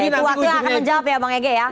itu waktu yang akan menjawab ya bang ege ya